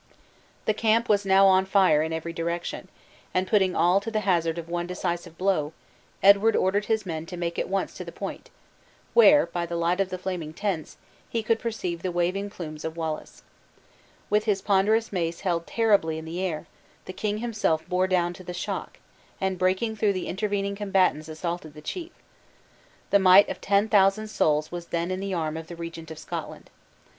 The camp was now on fire in every direction; and putting all to the hazard of one decisive blow, Edward ordered his men to make at once to the point, where, by the light of the flaming tents, he could perceive the waving plumes of Wallace. With his ponderous mace held terribly in the air, the king himself bore down to the shock; and breaking through the intervening combatants assaulted the chief. The might of ten thousand souls was then in the arm of the Regent of Scotland.